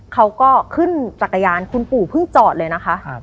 เขาก็ขึ้นจักรยานคุณปู่เพิ่งจอดเลยนะคะ